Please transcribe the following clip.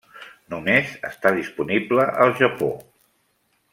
Només està disponible al Japó.